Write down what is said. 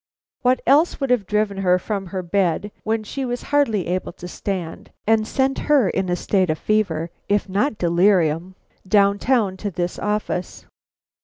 What else would have driven her from her bed when she was hardly able to stand, and sent her in a state of fever, if not delirium, down town to this office?